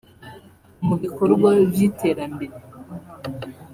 Mu bikorwa vy’iterambere